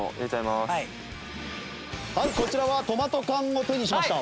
まずこちらはトマト缶を手にしました。